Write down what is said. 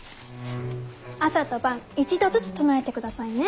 朝と晩１度ずつ唱えてくださいね。